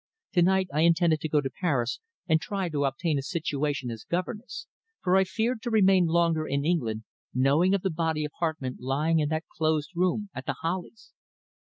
"To night I intended to go to Paris and try to obtain a situation as governess, for I feared to remain longer in England, knowing of the body of Hartmann lying in that closed room at the Hollies."